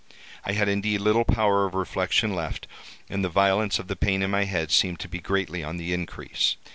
I had, indeed, little power of reflection left, and the violence of the pain in my head seemed to be greatly on the increase.